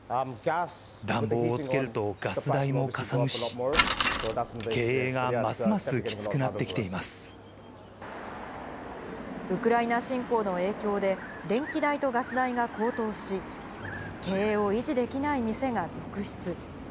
暖房をつけるとガス代もかさむし、経営がますますきつくなってきてウクライナ侵攻の影響で、電気代とガス代が高騰し、経営を維持できない店が続出。